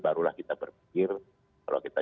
barulah kita berpikir kalau kita